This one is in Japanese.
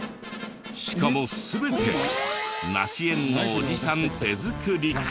しかも全て梨園のおじさん手作り。